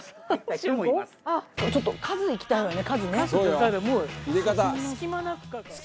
ちょっと数いきたいわよね数ね。